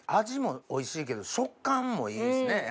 味もおいしいけど食感もいいですね。